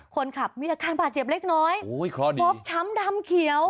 คนขับมีอาการบาดเจ็บเล็กน้อยฟกช้ำดำเขียว